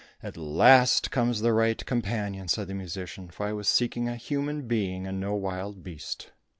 "At last comes the right companion," said the musician, "for I was seeking a human being, and no wild beast."